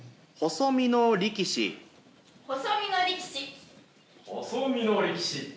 細身の力士。